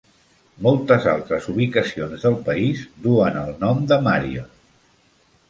Moltes altres ubicacions del país duen el nom de Marion.